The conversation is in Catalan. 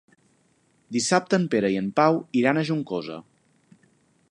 Dissabte en Pere i en Pau iran a Juncosa.